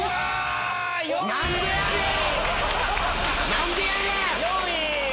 何でやねん‼